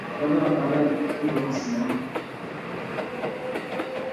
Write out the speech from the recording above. opu'ã omyendy tesape kotypegua